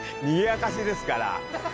にぎやかしですから。